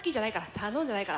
頼んでないから。